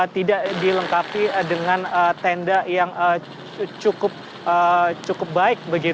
tidak dilengkapi dengan tenda yang cukup baik